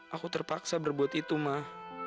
aku terpaksa berbuat itu mah